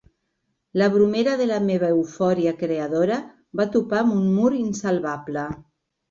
La bromera de la meva eufòria creadora va topar amb un mur insalvable.